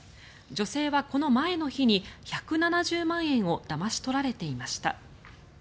女性はこの前の日に１７０万円をだまし取られていました。